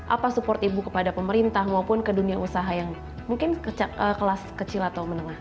apa support ibu kepada pemerintah maupun ke dunia usaha yang mungkin kelas kecil atau menengah